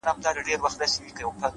د حقیقت درناوی عقل پیاوړی کوي،